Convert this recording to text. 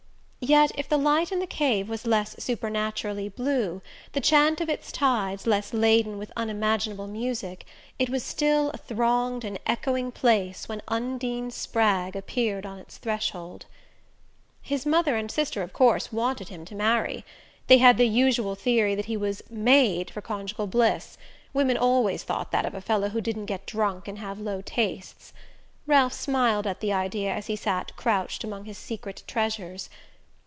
Yet if the light in the cave was less supernaturally blue, the chant of its tides less laden with unimaginable music, it was still a thronged and echoing place when Undine Spragg appeared on its threshold... His mother and sister of course wanted him to marry. They had the usual theory that he was "made" for conjugal bliss: women always thought that of a fellow who didn't get drunk and have low tastes. Ralph smiled at the idea as he sat crouched among his secret treasures.